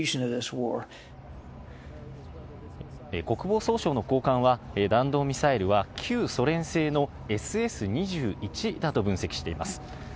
国防総省の高官は、弾道ミサイルは旧ソ連製のＳＳ２１だと分析しています。